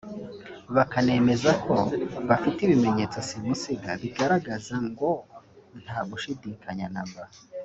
bakanemeza ko bafite ibimenyetso simusiga bigaragaza ngo nta gushidikanya na mba